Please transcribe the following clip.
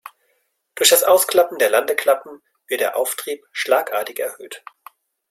Durch das Ausklappen der Landeklappen wird der Auftrieb schlagartig erhöht.